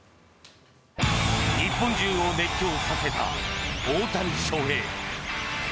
日本中を熱狂させた大谷翔平。